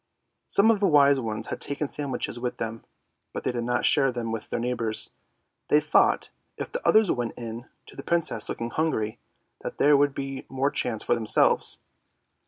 Some of the wise ones had taken sandwiches with them, but they did not share them with their neighbours; they thought if the others went in to the Princess looking hungry, that there would be more chance for themselves."